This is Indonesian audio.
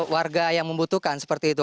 warga yang membutuhkan seperti itu